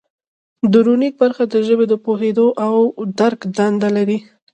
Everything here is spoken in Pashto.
د ورنیک برخه د ژبې د پوهیدو او درک دنده لري